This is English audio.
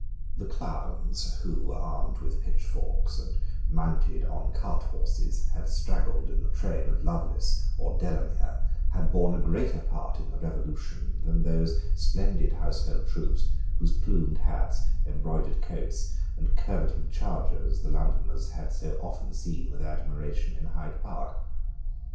The clowns, who, armed with pitchforks and mounted on carthorses, had straggled in the train of Lovelace or Delamere, had borne a greater part in the Revolution than those splendid household troops, whose plumed hats, embroidered coats, and curvetting chargers the Londoners had so often seen with admiration in Hyde Park.